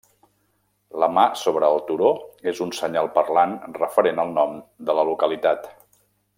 La mà sobre el turó és un senyal parlant referent al nom de la localitat.